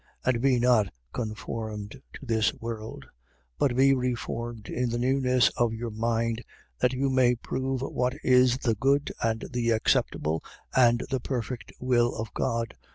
12:2. And be not conformed to this world: but be reformed in the newness of your mind, that you may prove what is the good and the acceptable and the perfect will of God.